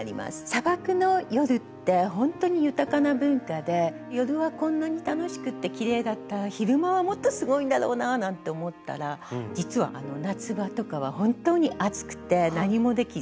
砂漠の夜ってほんとに豊かな文化で夜はこんなに楽しくてきれいだったら昼間はもっとすごいんだろうななんて思ったら実は夏場とかは本当に暑くて何もできずに。